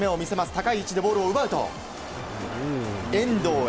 高い位置でボールを奪うと遠藤へ。